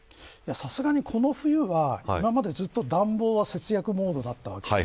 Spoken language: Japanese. さすがにこの冬は、今までずっと暖房は節約モードだったわけです。